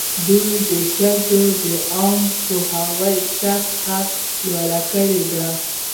دوی د ښځو د عامه پوهاوي سطحه لوړه کړې ده.